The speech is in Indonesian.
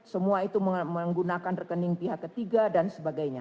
semua itu menggunakan rekening pihak ketiga dan sebagainya